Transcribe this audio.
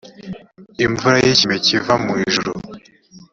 imvura y ikime kiva mu ijuru